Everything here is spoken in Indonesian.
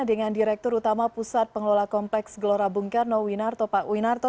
dengan direktur utama pusat pengelola kompleks gelora bung karno pak winarto